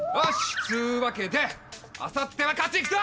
っつうわけであさっては勝ちいくぞ！